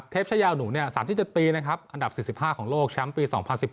เทปชะยาวหนู๓๗ปีอันดับ๔๕ของโลกแชมป์ปี๒๐๑๕